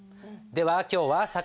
では今日はさ